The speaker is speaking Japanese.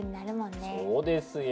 そうですよ。